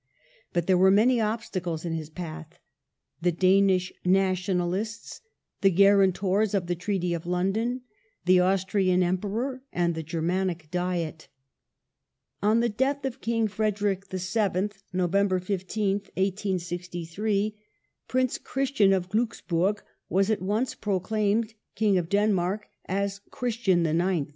But there were many obstacles in his path : the Danish nationalists ; the guarantors of the Treaty of London ; the Austrian Emperor, and the Germanic Diet. On the death of King Frederick VII. (Nov. 15th, 1863) Prince Christian of Glucks burg was at once proclaimed King of Denmark as Christian IX.